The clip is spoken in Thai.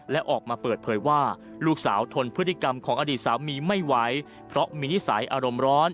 และออกมาเปิดเผยว่าลูกสาวทนพฤติกรรมของอดีตสามีไม่ไหวเพราะมีนิสัยอารมณ์ร้อน